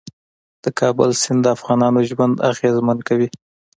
د کابل سیند د افغانانو ژوند اغېزمن کوي.